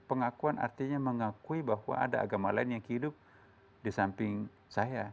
pengakuan artinya mengakui bahwa ada agama lain yang hidup di samping saya